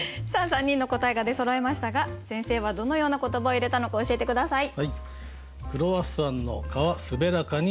３人の答えが出そろいましたが先生はどのような言葉を入れたのか教えて下さい。